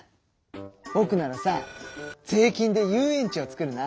ぼくならさ税金で遊園地を作るな！